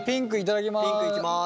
頂きます。